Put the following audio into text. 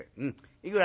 いくら？